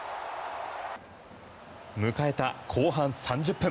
迎えた後半３０分。